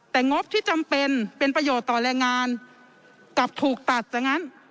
แต่งบที่จำเป็นเป็นประโยชน์ต่อแรงงานกลับถูกตัดซะงั้น